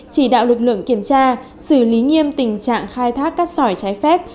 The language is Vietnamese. chỉ đạo lực lượng kiểm tra xử lý nghiêm tình trạng khai thác cát sỏi trái phép